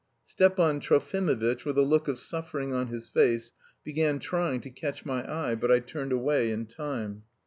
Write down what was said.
Stepan Trofimovitch, with a look of suffering on his face, began trying to catch my eye, but I turned away in time.